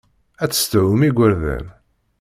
Ad tessedhum igerdan.